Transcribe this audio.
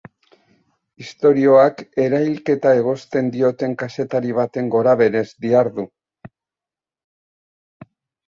Istorioak erailketa egozten dioten kazetari baten gorabeherez dihardu.